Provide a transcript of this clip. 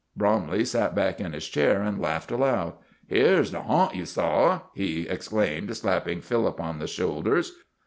Bromley sat back in his chair, and laughed aloud. "Here's the 'harnt' you saw," he exclaimed, slapping Philip on the shoulders.